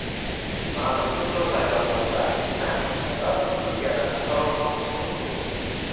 Ma’lumki, so‘zlar yordamida narsa haqida o‘zgada tasavvur hosil qilish qiyin